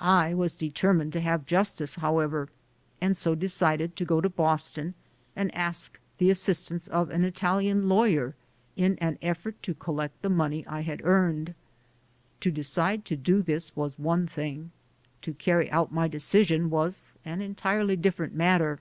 I was determined to have justice, however, and so decided to go to Boston and ask the assistance of an Italian lawyer in an effort to collect the money I had earned. To decide to do this was one thing. To carry out my decision was an entirely different matter.